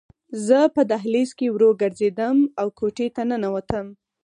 زه په دهلیز کې ورو ګرځېدم او کوټې ته ننوتم